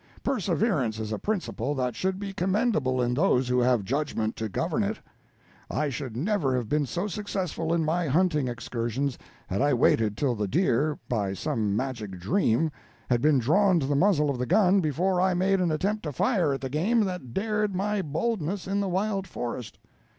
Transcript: Perseverance is a principle that should be commendable in those who have judgment to govern it. I should never have been so successful in my hunting excursions had I waited till the deer, by some magic dream, had been drawn to the muzzle of the gun before I made an attempt to fire at the game that dared my boldness in the wild forest.